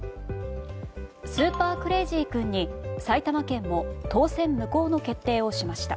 スーパークレイジー君に埼玉県も当選無効の決定をしました。